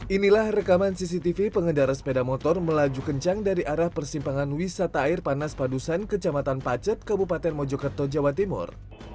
inilah rekaman cctv pengendara sepeda motor melaju kencang dari arah persimpangan wisata air panas padusan kecamatan pacet kabupaten mojokerto jawa timur